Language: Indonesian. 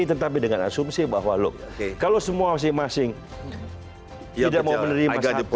tetapi dengan asumsi bahwa look kalau semua masing masing tidak mau menerima satu kesepakatan berikutnya